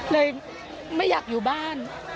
ไม่อยากอยู่บ้าน